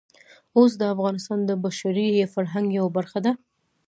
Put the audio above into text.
اوښ د افغانستان د بشري فرهنګ یوه برخه ده.